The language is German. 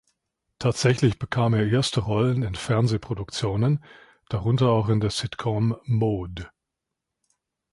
Tatsächlich bekam er erste Rollen in Fernsehproduktionen, darunter auch in der Sitcom "Maude".